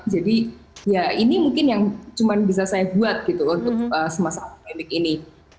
jadi ya ini mungkin yang cuma bisa saya buat gitu untuk semasa pandemik ini